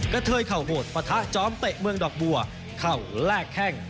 เทยเข่าโหดปะทะจอมเตะเมืองดอกบัวเข้าแลกแข้ง